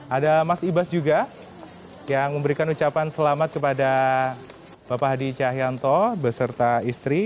ada mas ibas juga yang memberikan ucapan selamat kepada bapak hadi cahyanto beserta istri